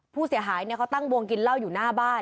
ผู้เสียหายเขาตั้งวงกินเหล้าอยู่หน้าบ้าน